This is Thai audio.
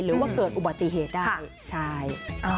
หรือว่าเกิดอุบัติเหตุได้ใช่